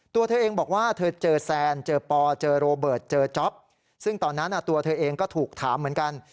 ตัวเธอเองบอกว่าเธอเจอแซนเจอปอเจอโรเบิร์ตเจอจ๊อปซึ่งตอนนั้นตัวเธอเองก็ถูกถามเหมือนกัน